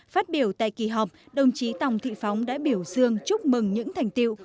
phát biểu tại kỳ họp đồng chí tòng thị phóng đã biểu dương chúc mừng những thành tiệu